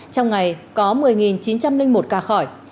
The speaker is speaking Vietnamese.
trong ngày có một mươi chín trăm linh một ca khỏi